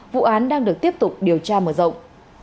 vụ án đang được tiếp tục điều tra mở rộng